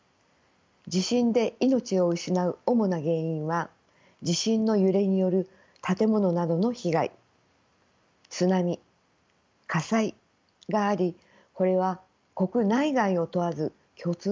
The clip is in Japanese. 地震で命を失う主な原因は地震の揺れによる建物などの被害津波火災がありこれは国内外を問わず共通のものです。